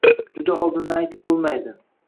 Juda oldindan aytib bo'lmaydi.